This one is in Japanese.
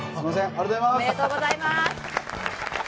おめでとうございます。